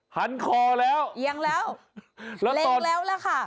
หันคอแล้วยังแล้วแล้วตอนแล้วแล้วล่ะค่ะ